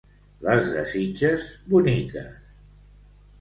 Les de Sitges, boniques.